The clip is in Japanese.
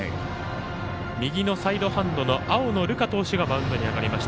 右のサイドハンドの青野流果投手がマウンドに上がりました。